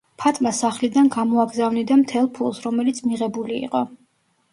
ფატმა სახლიდან გამოაგზავნიდა მთელ ფულს, რომელიც მიღებული იყო.